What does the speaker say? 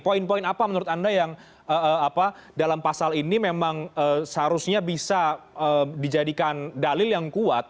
poin poin apa menurut anda yang dalam pasal ini memang seharusnya bisa dijadikan dalil yang kuat